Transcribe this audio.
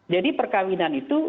jadi perkawinan itu